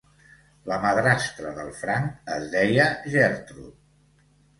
La madrastra del Frank es deia Gertrude.